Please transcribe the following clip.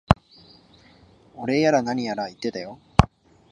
お礼やら何やら言ってたよ。